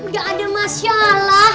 gak ada masalah